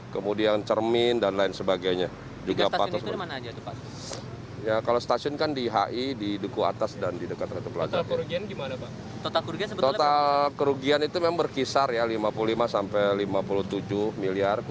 kerugian itu memang berkisar rp lima puluh lima sampai rp lima puluh tujuh miliar